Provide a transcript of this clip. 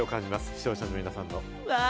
視聴者の皆さんの。